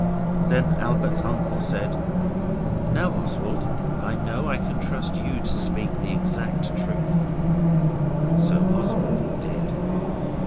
Then Albert's uncle said, 'Now Oswald, I know I can trust you to speak the exact truth.' So Oswald did.